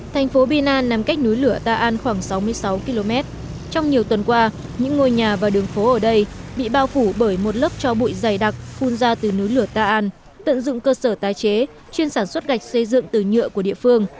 thành phố binan nằm cách núi lửa ta an khoảng sáu mươi sáu km trong nhiều tuần qua những ngôi nhà và đường phố ở đây bị bao phủ bởi một lớp cho bụi dày đặc phun ra từ núi lửa ta an tận dụng cơ sở tái chế chuyên sản xuất gạch xây dựng từ nhựa của địa phương